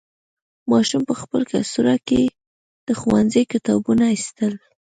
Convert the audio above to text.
ماشوم په خپل کڅوړه کې د ښوونځي کتابونه ایستل.